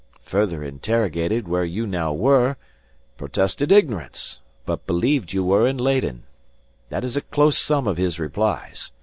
Further interrogated where you now were, protested ignorance, but believed you were in Leyden. That is a close sum of his replies.